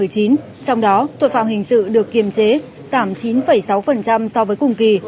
trong đó tội phạm hình sự được kiềm chế giảm chín sáu so với cùng kỳ